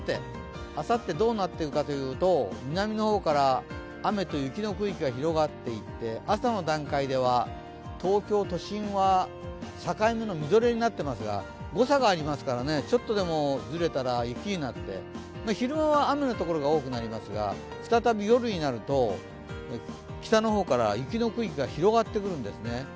あさって、どうなっていくかというと南の方から雨と雪の区域が広がっていって朝の段階では東京都心は境目のみぞれになっていますが誤差がありますから、ちょっとでもずれたら雪になって昼間は雨の所が多くなりますが、再び夜になると、北の方から雪の区域が広がってくるんです。